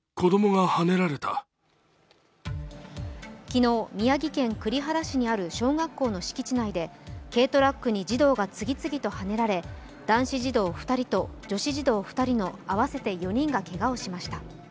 昨日、宮城県栗原市にある小学校の敷地内で軽トラックに児童が次々とはねられ、男子児童２人と女子児童２人の合わせて４人がけがをしました。